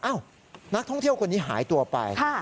นักท่องเที่ยวคนนี้หายตัวไป